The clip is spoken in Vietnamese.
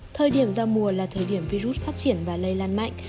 thời điểm giao mùa là thời điểm virus phát triển và lây lan mạnh